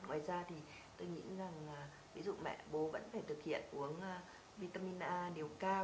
ngoài ra thì tôi nghĩ rằng ví dụ mẹ bố vẫn phải thực hiện uống vitamin a điều ca